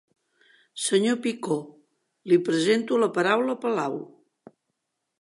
Senyor Picó, li presento la paraula Palau.